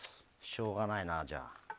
しょうがないな、じゃあ。